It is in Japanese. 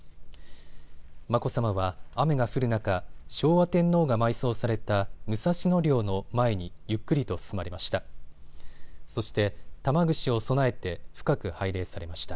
眞子さまは雨が降る中、昭和天皇が埋葬された武蔵野陵の前にゆっくりと進まれました。